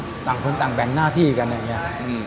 ก็ต่างคนต่างแบ่งหน้าที่กันเนี่ย